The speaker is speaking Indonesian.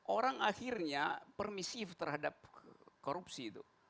orang akhirnya permisif terhadap korupsi itu